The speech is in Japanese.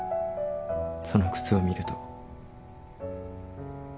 その靴を見ると。